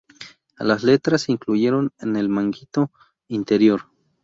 Las letras se incluyeron en el manguito interior.